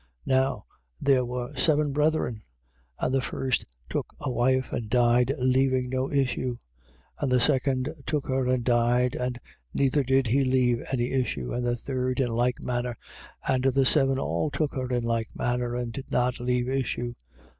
12:20. Now there were seven brethren: and the first took a wife and died leaving no issue. 12:21. And the second took her and died: and neither did he leave any issue. And the third in like manner. 12:22. And the seven all took her in like manner and did not leave issue.